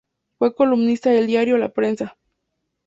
Fue columnista del diario "La Prensa".